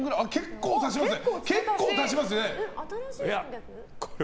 結構足しますね。